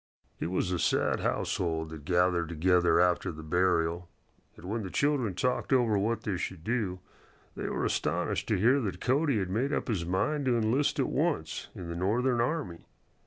It was a sad household that gathered together after the burial, and when the children talked over what they should do, they were astonished to hear that Cody had made up his mind to enlist at once in the Northern army.